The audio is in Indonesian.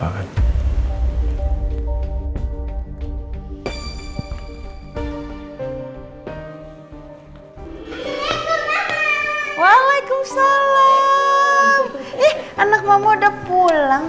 eh anak mama udah pulang